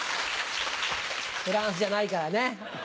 フランスじゃないからね。